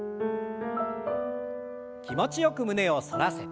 気持ちよく胸を反らせて。